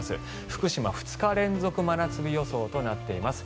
福島、２日連続真夏日予想となっています。